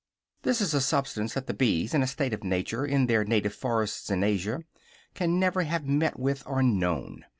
This is a substance that the bees, in a state of nature, in their native forests in Asia, can never have met with, or known.